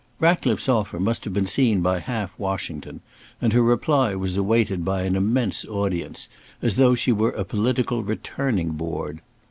Ratcliffe's offer must have been seen by half Washington, and her reply was awaited by an immense audience, as though she were a political returning board.